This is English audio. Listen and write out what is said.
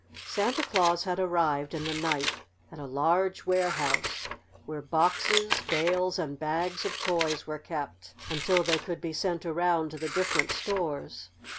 Santa Claus had arrived, in the night, at a large warehouse, where boxes, bales and bags of toys were kept until they could be sent around to the different stores.